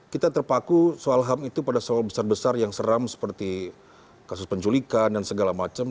kita terpaku soal ham itu pada soal besar besar yang seram seperti kasus penculikan dan segala macam